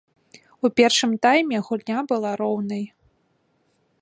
У першым тайме гульня была роўнай.